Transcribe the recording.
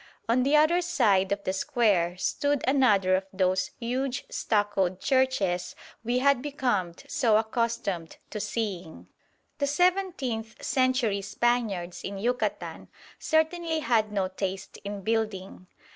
On the other side of the square stood another of those huge stuccoed churches we had become so accustomed to seeing. The seventeenth century Spaniards in Yucatan certainly had no taste in building.